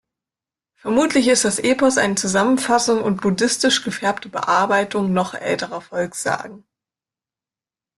Vermutlich ist das Epos eine Zusammenfassung und buddhistisch gefärbte Bearbeitung noch älterer Volkssagen.